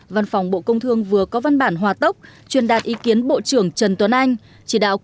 văn phòng bộ công thương vừa có văn bản hòa tốc truyền đạt ý kiến bộ trưởng trần tuấn anh chỉ đạo